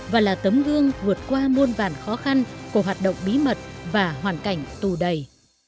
và là tấm gương vượt qua muôn vàn khó khăn của hoạt động bí mật và hoàn cảnh tù đầy